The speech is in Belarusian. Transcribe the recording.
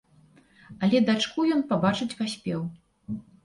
Але дачку ён пабачыць паспеў.